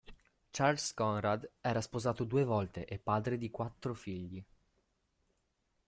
Charles Conrad era sposato due volte e padre di quattro figli.